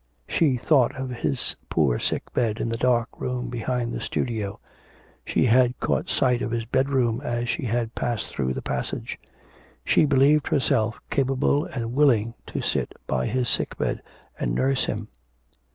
She thought of his poor sick bed in the dark room behind the studio. She had caught sight of his bedroom as she had passed through the passage. She believed herself capable and willing to sit by his sick bed and nurse him.